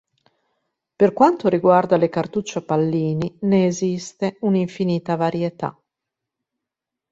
Per quanto riguarda le cartucce a pallini, ne esiste una infinita varietà.